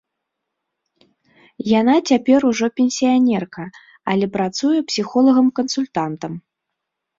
Яна цяпер ужо пенсіянерка, але працуе псіхолагам-кансультантам.